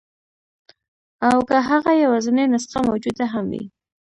او که هغه یوازنۍ نسخه موجوده هم وي.